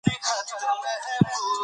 ولې ځینې ودونه ناکامیږي؟